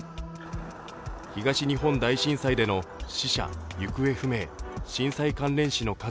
東日本大震災での死者、行方不明、震災関連死の数